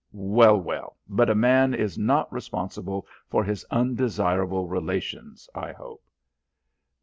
Well, well, but a man is not responsible for his undesirable relations, I hope."